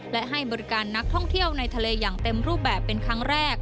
และให้บริการนักท่องเที่ยวในทะเลอย่างเต็มรูปแบบเป็นครั้งแรก